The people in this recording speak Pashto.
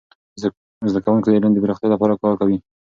زده کوونکي د علم د پراختیا لپاره کار کوي.